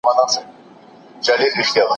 موږ په لوړ آواز حساب کوو.